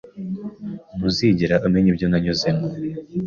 Ntuzigera umenya ibyo nanyuzemo